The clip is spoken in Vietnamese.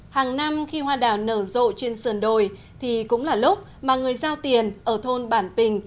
hàng năm khi hoa đào nở rộ trên sườn đồi thì cũng là lúc mà người giao tiền ở thôn bản bình